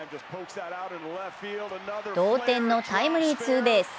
同点のタイムリーツーベース。